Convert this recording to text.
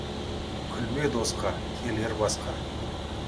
Күлме досқа, келер басқа.